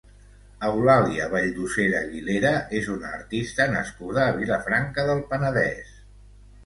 Eulàlia Valldosera Guilera és una artista nascuda a Vilafranca del Penedès.